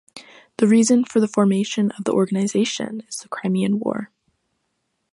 The reason for the formation of the organization is the Crimean War.